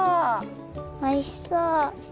おいしそう！